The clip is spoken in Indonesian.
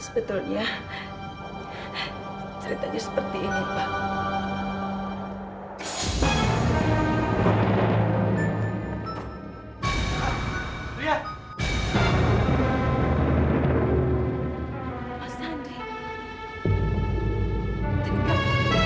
sebetulnya ceritanya seperti ini pak sandi